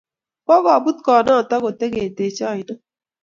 kogobuut koot noto kotigeteche oino